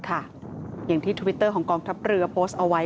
อย่างที่ทวิตเตอร์ของกองทัพเรือโพสต์เอาไว้